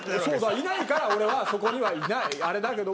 いないから俺はそこにはいないあれだけども。